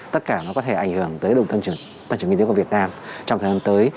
tất cả nó có thể ảnh hưởng tới tăng trưởng kinh tế của việt nam trong thời gian tới